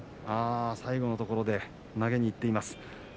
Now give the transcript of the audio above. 最後のところで投げにいっています。